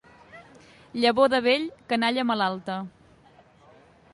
Llavor de vell, canalla malalta.